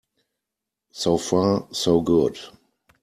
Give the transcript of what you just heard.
So far so good.